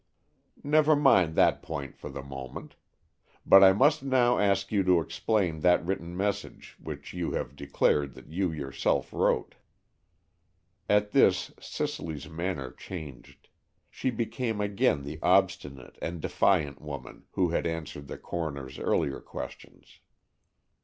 "Never mind that point for the moment. But I must now ask you to explain that written message which you have declared that you yourself wrote." At this Cicely's manner changed. She became again the obstinate and defiant woman who had answered the coroner's earlier questions.